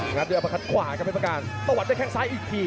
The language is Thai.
อย่างนั้นเยอะประคัตท์กลางขวาเม็ดประกาศประหวัดด้วยแค่งซ้ายอีกที